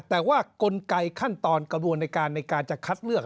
แต่ว่ากลไกขั้นตอนกระบวนในการในการจะคัดเลือก